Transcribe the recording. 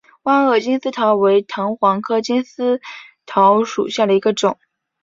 弯萼金丝桃为藤黄科金丝桃属下的一个种。